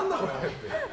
って。